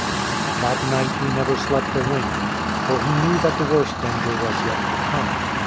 That night he never slept a wink, for he knew that the worst danger was yet to come.